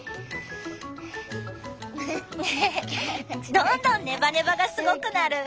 どんどんネバネバがすごくなる。